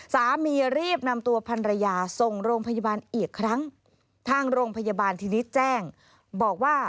สามีรีบนำตัวพันรยาส่งโรงพยาบาลอีกครั้งทางโรงพยาบาลทีนี้แจ้งบอกว่า